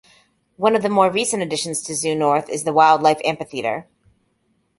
One of the more recent additions to ZooNorth is the Wildlife Amphitheater.